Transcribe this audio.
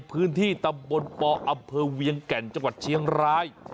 พื้นที่ตำบลปอำเภอเวียงแก่นจังหวัดเชียงราย